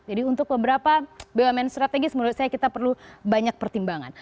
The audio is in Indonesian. jadi untuk beberapa bumn strategis menurut saya kita perlu banyak pertimbangan